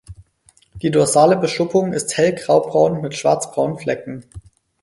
Die dorsale Beschuppung ist hell graubraun mit schwarzbraunen Flecken.